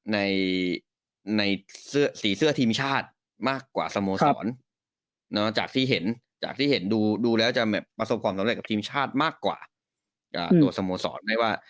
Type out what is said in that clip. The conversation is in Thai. ในสีเสื้อทีมชาติมากกว่าสโมสรจากที่เห็นดูแล้วจะประสบความสำเร็จกับทีมชาติมากกว่าตัวสโมสร